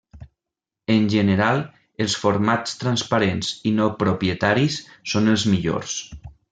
En general, els formats transparents i no propietaris són els millors.